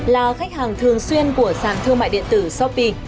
là khách hàng thường xuyên của sàn thương mại điện tử shopee